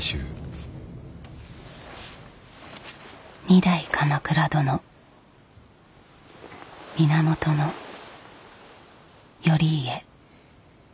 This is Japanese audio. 二代鎌倉殿源頼家。